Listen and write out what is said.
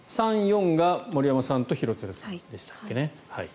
３、４が森山さん廣津留さんでしたっけね。